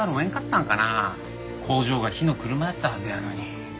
工場が火の車やったはずやのに。